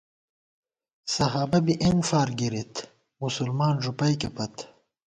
صحابہؓ بی اېن فار گِرِت، مسلمان ݫُپَئیکےپت